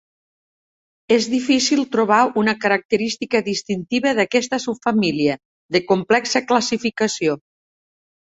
És difícil trobar una característica distintiva d'aquesta subfamília, de complexa classificació.